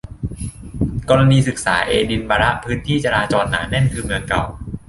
กรณีศึกษา เอดินบะระ พื้นที่จราจรหนาแน่นคือเมืองเก่า